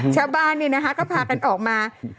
ชาวบ้านเนี่ยนะคะก็พากันออกมา